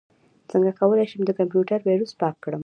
څنګه کولی شم د کمپیوټر ویروس پاک کړم